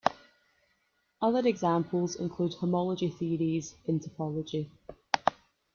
Other examples include homology theories in topology.